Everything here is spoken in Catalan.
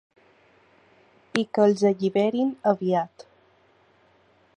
I que els alliberin aviat.